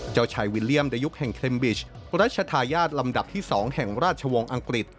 เจ้าชายวิลเลี่ยมในยุคแห่งเคลมบิชรัชธาญาติลำดับที่๒แห่งราชวงศ์อังกฤษ